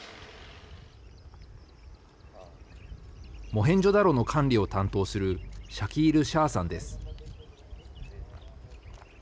モヘンジョダロの管理を担当するシャキール・シャーさんです。